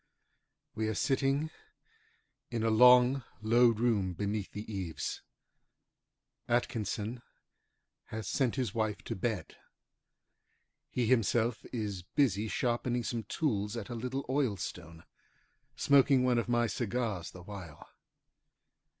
We are sitting in a long, low room beneath the eaves. Atkinson has sent his wife to bed. He himself is busy sharpening some tools at a little oilstone, smoking one of my cigars the while.